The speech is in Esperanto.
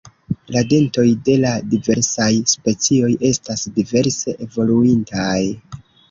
La dentoj de la diversaj specioj estas diverse evoluintaj.